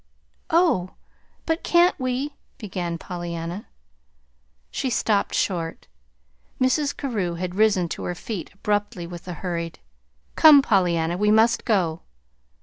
"Oh, but can't we " began Pollyanna. She stopped short. Mrs. Carew had risen to her feet abruptly with a hurried: "Come, Pollyanna, we must go."